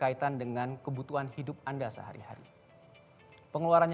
ini seringkan ke nasp clie di democracy dashboard juga bisa dikasih by strengthen us a com